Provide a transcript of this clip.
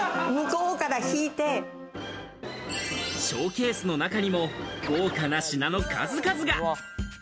ショーケースの中にも豪華な品の数々が。